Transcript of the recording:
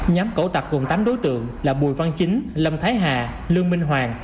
nhóm cẩu tặc gồm tám đối tượng là bùi văn chính lâm thái hà lương minh hoàng